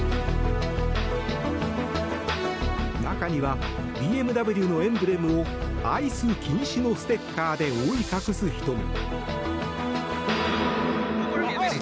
中にはＢＭＷのエンブレムをアイス禁止のステッカーで覆い隠す人も。